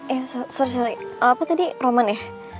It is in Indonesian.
eh sorry apa tadi roman ya